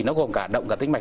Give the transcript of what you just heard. nó gồm cả động cả tinh mạch